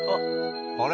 あれ？